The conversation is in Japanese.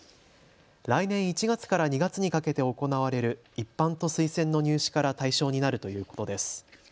来年１月から２月にかけて行われる一般と推薦の入試から対象になるということです。